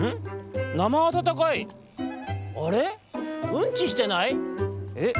うんちしてない？えっ？